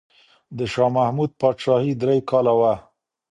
د شاه محمود پاچاهي درې کاله وه.